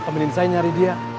mending saya nyari dia